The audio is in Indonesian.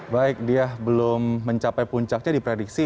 baik dia belum mencapai puncaknya diprediksi